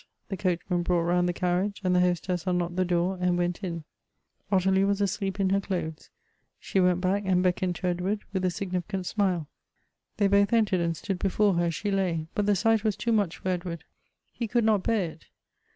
The coachman brought round the carriage, and the hostess unlocked the door and went in Ottilie was asleep in her clothes; she went back and beckoned to Edward with a significant smile. They both entered and stood before her as she lay ; but the sight was too much for Edward. He could not bear it.